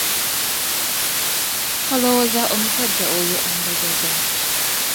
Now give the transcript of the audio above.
Olowooza omusajja oyo anjagaza ki?